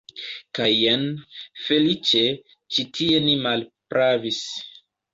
Kaj jen, feliĉe, ĉi tie ni malpravis.